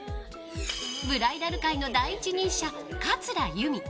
ブライダル界の第一人者桂由美。